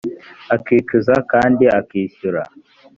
akicuza kandi akishyura